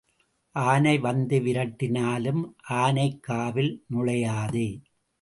ஆனை வந்து விரட்டினாலும் ஆனைக் காவில் நுழையாதே.